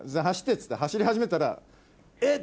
っつって走り始めたらえっ！